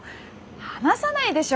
話さないでしょ